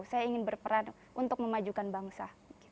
saya ingin berperan untuk memajukan bangsa